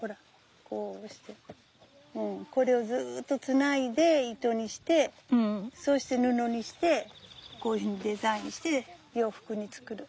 これをずっとつないで糸にしてそして布にしてこういうふうにデザインして洋服に作る。